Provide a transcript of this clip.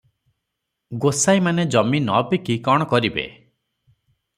ଗୋସାଇଁମାନେ ଜମି ନ ବିକି କ'ଣ କରିବେ ।